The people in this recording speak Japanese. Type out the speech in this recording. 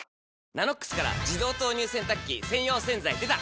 「ＮＡＮＯＸ」から自動投入洗濯機専用洗剤でた！